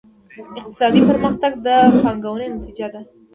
اقتصادي پرمختګ د پانګونې نتیجه ده.